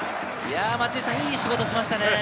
松井さん、いい仕事をしましたね。